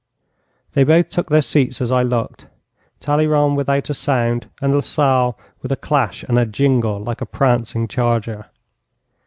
They both took their seats as I looked, Talleyrand without a sound, and Lasalle with a clash and a jingle like a prancing charger.